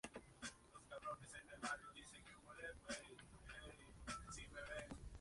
На вікні свічі не задути.